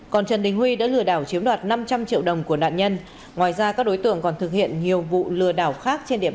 còn trần đình huy đã lừa đảo chiếm đoạt năm trăm linh triệu đồng của nạn nhân ngoài ra các đối tượng còn thực hiện nhiều vụ lừa đảo khác trên địa bàn